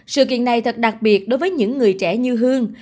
sự kiện này thật đặc biệt đối với những người trẻ như hương